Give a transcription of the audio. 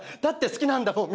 好きなんだもん！